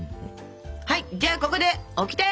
はいじゃあここでオキテ！